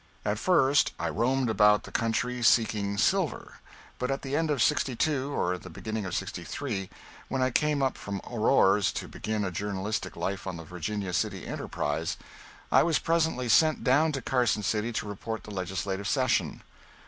[Sidenote: ('62 or '63)] At first I roamed about the country seeking silver, but at the end of '62 or the beginning of '63 when I came up from Aurora to begin a journalistic life on the Virginia City "Enterprise," I was presently sent down to Carson City to report the legislative session.